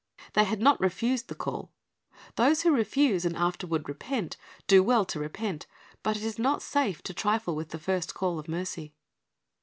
They had not refused the call. Those who refuse and afterward repent, do well to repent; but it is not safe to trifle with the first call of mercy.